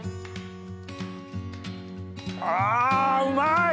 あうまい！